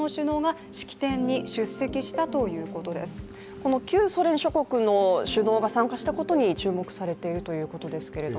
この旧ソ連諸国の首脳が参加したことに注目されているということですけど？